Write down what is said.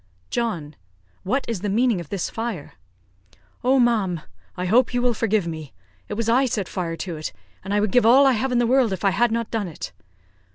"John, what is the meaning of this fire?" "Oh, ma'am, I hope you will forgive me; it was I set fire to it, and I would give all I have in the world if I had not done it."